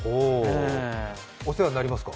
お世話になりますか？